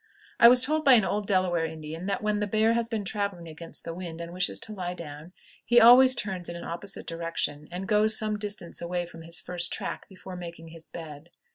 I was told by an old Delaware Indian that when the bear has been traveling against the wind and wishes to lie down, he always turns in an opposite direction, and goes some distance away from his first track before making his bed.